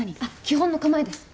基本の構えです。